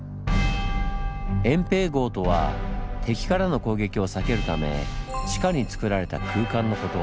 「掩蔽壕」とは敵からの攻撃を避けるため地下につくられた空間のこと。